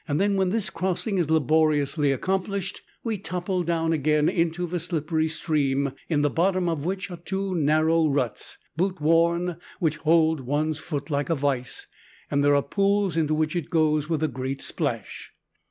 Then, when this crossing is laboriously accomplished, we topple down again into the slippery stream, in the bottom of which are two narrow ruts, boot worn, which hold one's foot like a vice, and there are pools into which it goes with a great splash.